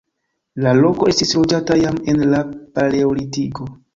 La loko estis loĝata jam en la paleolitiko.